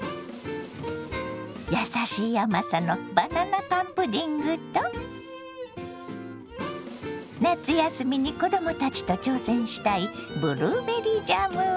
やさしい甘さのバナナパンプディングと夏休みに子供たちと挑戦したいブルーベリージャムはいかが。